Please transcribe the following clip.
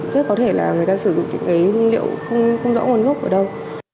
rất có thể là người ta sử dụng những cái hương liệu không rõ nguồn gốc ở đâu